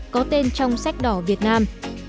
có tên trong sách đỏ việt nam